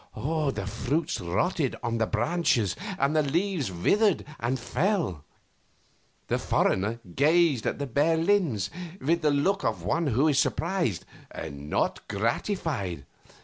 The fruits rotted on the branches, and the leaves withered and fell. The foreigner gazed at the bare limbs with the look of one who is surprised, and not gratified.